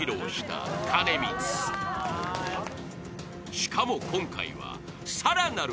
［しかも今回は］